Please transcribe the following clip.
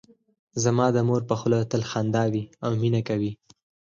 زما د مور په خوله تل خندا وي او مینه کوي